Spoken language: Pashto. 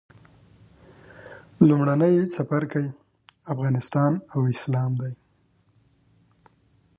لومړی څپرکی افغانستان او اسلام دی.